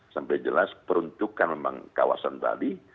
sampai jelas peruntukan memang kawasan bali